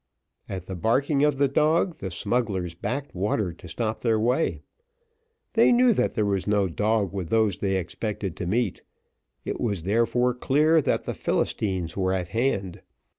At the barking of the dog the smugglers backed water to stop their way. They knew that there was no dog with those they expected to meet, it was therefore clear that the Philistines were at hand.